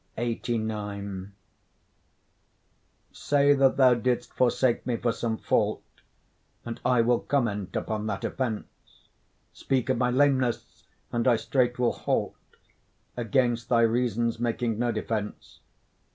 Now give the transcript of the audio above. LXXXIX Say that thou didst forsake me for some fault, And I will comment upon that offence: Speak of my lameness, and I straight will halt, Against thy reasons making no defence.